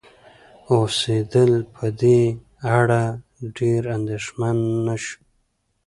اوسیدل په دې اړه ډېر اندیښمن نشو